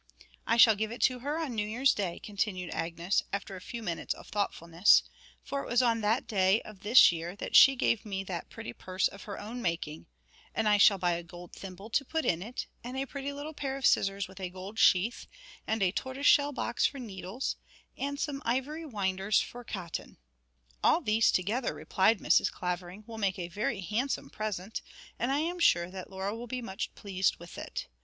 'I shall give it her on New Year's Day,' continued Agnes, after a few minutes of thoughtfulness, 'for it was on that day of this year that she gave me that pretty purse of her own making; and I shall buy a gold thimble to put in it, and a pretty little pair of scissors with a gold sheath, and a tortoiseshell box for needles, and some ivory winders for cotton.' 'All these together,' replied Mrs. Clavering, 'will make a very handsome present, and I am sure that Laura will be much pleased with it.